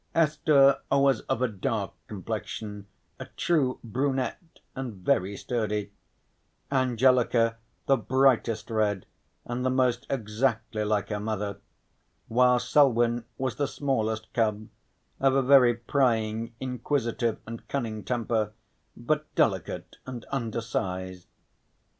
Esther was of a dark complexion, a true brunette and very sturdy; Angelica the brightest red and the most exactly like her mother; while Selwyn was the smallest cub, of a very prying, inquisitive and cunning temper, but delicate and undersized.